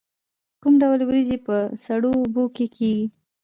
کوم ډول وریجې په سړو اوبو کې کیږي؟